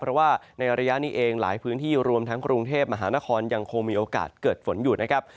เพราะว่าในระยะนี้เองหลายพื้นที่รวมทั้งกรุงเทพมหานครยังคงมีโอกาสเกิดฝนอยู่นะครับ